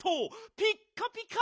ピッカピカ！